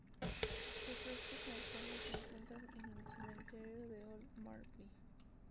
Sus restos mortales se encuentran en el cementerio de Old Marble.